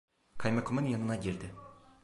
Kaymakamın yanına girdi…